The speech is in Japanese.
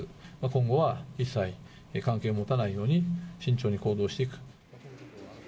今後は一切関係を持たないように慎重に行動していく。